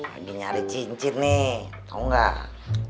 dinyari cincin nih tau gak